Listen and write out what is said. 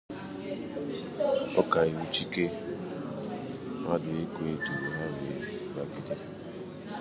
Ọkaiwu Chike Mmaduekwe duru ha wee bàgide